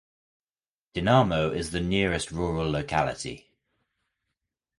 Dinamo is the nearest rural locality.